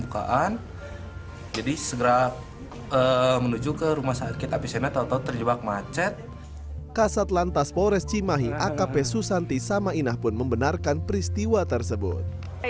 kasat lantas polres cimahi akp susanti sama inah pun membenarkan peristiwa tersebut